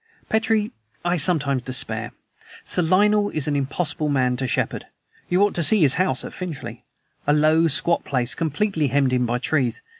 Petrie, I sometimes despair. Sir Lionel is an impossible man to shepherd. You ought to see his house at Finchley. A low, squat place completely hemmed in by trees.